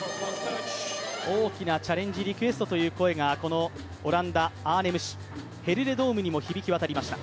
大きな「チャレンジリクエスト」という声がオランダ・アーネム市、ヘルレドームにも響き渡りました。